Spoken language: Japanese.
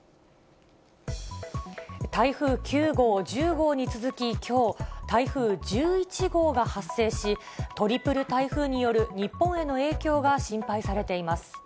台風９号、１０号に続ききょう、台風１１号が発生し、トリプル台風による日本への影響が心配されています。